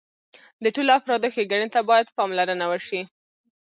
د ټولو افرادو ښېګڼې ته باید پاملرنه وشي.